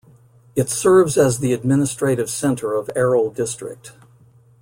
It serves as the administrative center of Aral District.